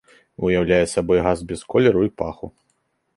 Уяўляе сабой газ без колеру і паху.